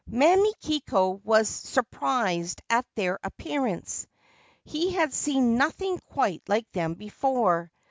Mamikiko was surprised at their appearance : he had seen nothing quite like them before.